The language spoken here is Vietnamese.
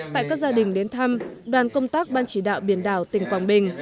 tại các gia đình đến thăm đoàn công tác ban chỉ đạo biển đảo tỉnh quảng bình